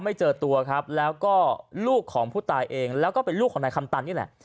เจอตัวครับแล้วก็ลูกของผู้ตายเองแล้วก็เป็นลูกของนายคำตันนี่แหละ